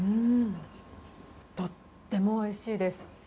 とってもおいしいです。